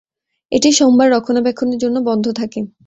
এটি সোমবার রক্ষণাবেক্ষণের জন্য বন্ধ থাকে।